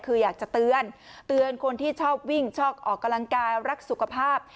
คืออยากจะเตือนเตือนคนที่ชอบวิ่งชอบออกกำลังกายรักสุขภาพ